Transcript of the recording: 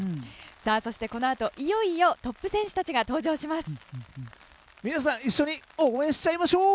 そして、このあといよいよトップ選手たちが登場します。